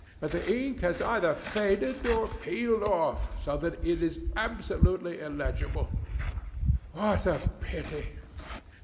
But the ink has either faded or peeled off, so that it is absolutely illegible. What a pity!"